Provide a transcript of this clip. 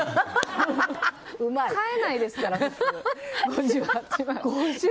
買えないですから、普通。